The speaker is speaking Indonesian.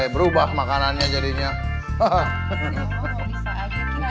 berubah makanannya jadinya hahaha